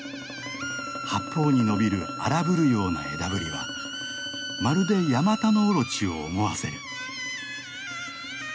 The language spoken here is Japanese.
八方に伸びる荒ぶるような枝ぶりはまるでヤマタノオロチを思わせる。